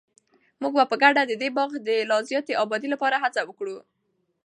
موږ به په ګډه د دې باغ د لا زیاتې ابادۍ لپاره هڅه وکړو.